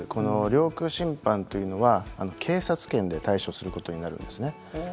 領空侵犯というのは警察権で対処することになるんですね。